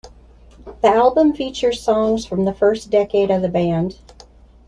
The album features songs from the first decade of the band.